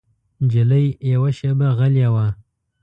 نجلۍ یوه شېبه غلی وه.